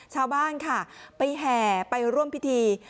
ชาวบ้านค่ะไปแห่ไปร่วมพิธี